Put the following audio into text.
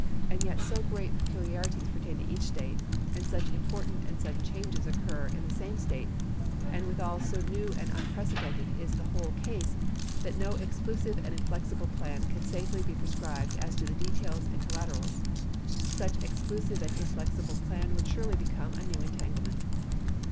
And yet so great peculiarities pertain to each State, and such im portant and sudden changes occur in the same State, and withal so new and unprecedented is the whole case that no exclusive and inflexible plan can safely be prescribed as to details and collaterals. Such exclusive and inflexible plan would surely become a new entanglement.